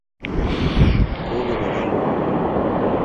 Kokobek anyun